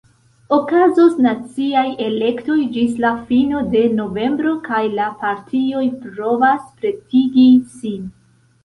Okazos naciaj elektoj ĝis la fino de novembro, kaj la partioj provas pretigi sin.